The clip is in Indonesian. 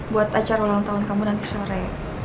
buat acara ulang tahun kamu nanti sore